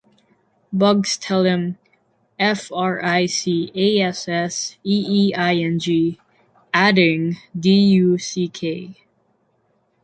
Bugs tells him, "F-R-I-C-A-S-S-E-E-I-N-G", adding "D-U-C-K".